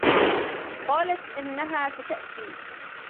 قالت أنها ستأتي.